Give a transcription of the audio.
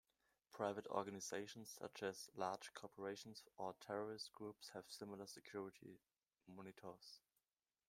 Private organizations such as large corporations or terrorist groups have similar security monitors.